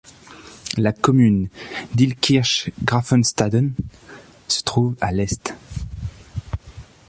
La commune d'Illkirch-Graffenstaden se trouve à l'est.